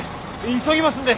急ぎますんで。